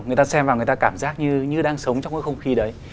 người ta xem vào người ta cảm giác như đang sống trong cái không khí đấy